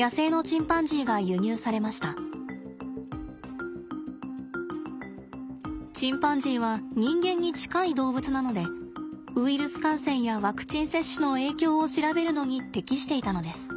チンパンジーは人間に近い動物なのでウイルス感染やワクチン接種の影響を調べるのに適していたのです。